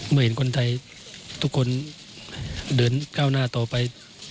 เมื่อเห็นคนไทยทุกคนเดินก้าวหน้าต่อไป